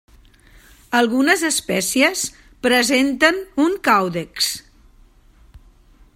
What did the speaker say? Algunes espècies presenten un càudex.